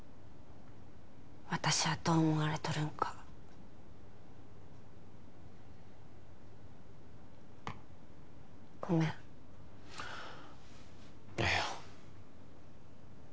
私はどう思われとるんかごめんええよ